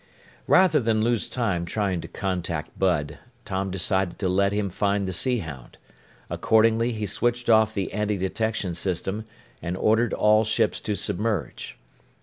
Rather than lose time trying to contact Bud, Tom decided to let him find the Sea Hound. Accordingly, he switched off the antidetection system and ordered all ships to submerge.